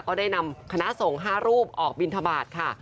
ก็ได้นำคณะสงฆ์๕รูปออกบินทบาทค่ะ